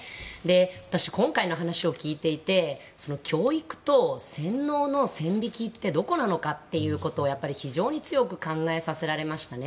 私、今回の話を聞いていて教育と洗脳の線引きってどこなのかっていうのを非常に強く考えさせられました。